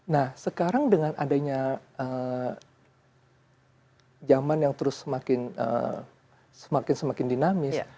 nah sekarang dengan adanya zaman yang terus semakin semakin dinamis